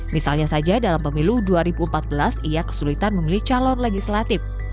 misalnya saja dalam pemilu dua ribu empat belas ia kesulitan memilih calon legislatif